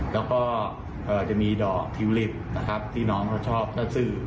แล้วก็จะมีดอกทิวลิปนะครับที่น้องเขาชอบถ้าซื้อ